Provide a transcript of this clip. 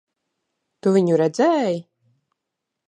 Tu viņu redzēji?